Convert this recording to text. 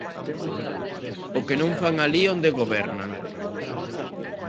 ¿O que non fan alí onde gobernan?